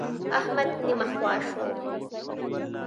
احمد نيمه خوا شو.